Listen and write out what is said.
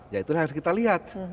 yaitu yang harus kita lihat